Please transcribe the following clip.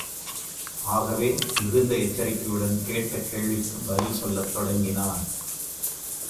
ஆகவே மிகுந்த எச்சரிக்கையுடன், கேட்ட கேள்விக்குப் பதில் சொல்லத் தொடங்கினார்.